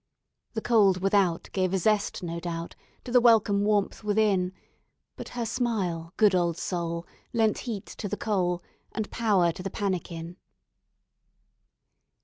"The cold without gave a zest, no doubt, To the welcome warmth within; But her smile, good old soul, lent heat to the coal, And power to the pannikin."